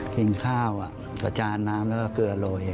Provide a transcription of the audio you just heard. กินข้าวประจานน้ำแล้วก็เกลือโรย